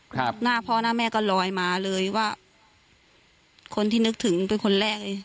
ครับหน้าพ่อหน้าแม่ก็ลอยมาเลยว่าคนที่นึกถึงเป็นคนแรกเลย